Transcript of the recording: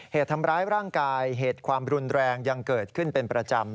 เหตุทำร้ายร่างกายเหตุความรุนแรงยังเกิดขึ้นเป็นประจำ